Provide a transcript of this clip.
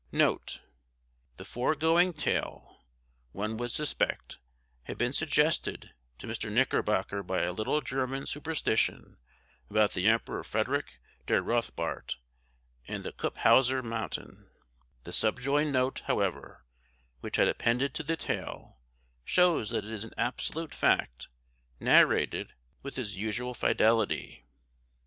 NOTE. The foregoing tale, one would suspect, had been suggested to Mr. Knickerbocker by a little German superstition about the Emperor Frederick der Rothbart and the Kypphauser mountain; the subjoined note, however, which had appended to the tale, shows that it is an absolute fact, narrated with his usual fidelity.